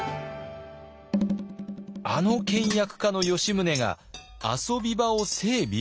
あの倹約家の吉宗が遊び場を整備？